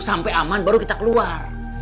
sampai aman baru kita keluar